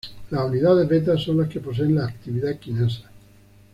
Las unidades beta son las que poseen la actividad quinasa.